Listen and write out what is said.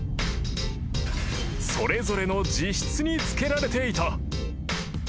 ［それぞれの自室に付けられていた］